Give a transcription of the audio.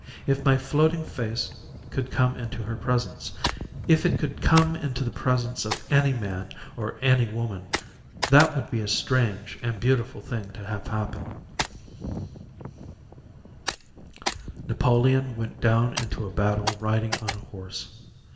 If my floating face could come into her presence, if it could come into the presence of any man or any woman that would be a strange and beautiful thing to have happen. Napoleon went down into a battle riding on a horse.